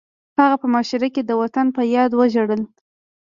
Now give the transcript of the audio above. هغه په مشاعره کې د وطن په یاد وژړل